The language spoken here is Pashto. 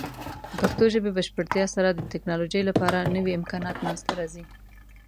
د پښتو ژبې بشپړتیا سره، د ټیکنالوجۍ لپاره نوې امکانات منځته راځي.